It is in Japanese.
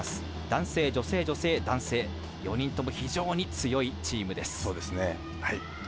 男性、女性、女性、男性４人とも非常に強いチームです。